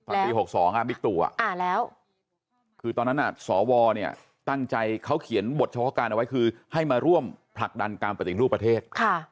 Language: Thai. ปี๖๒บิ๊กตู่อ่านแล้วคือตอนนั้นสวเนี่ยตั้งใจเขาเขียนบทเฉพาะการเอาไว้คือให้มาร่วมผลักดันการปฏิรูปประเทศ